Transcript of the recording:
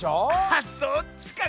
あっそっちか。